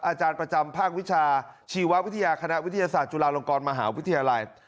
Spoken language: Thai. อาจารย์ประจำภาควิชาชีววิทยาคณะวิทยาศาสตร์จุฬาลงกรมหาวิทยาลัย